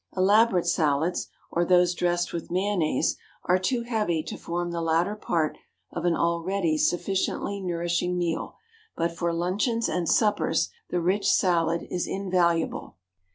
Elaborate salads, or those dressed with mayonnaise, are too heavy to form the latter part of an already sufficiently nourishing meal, but for luncheons and suppers the rich salad is invaluable.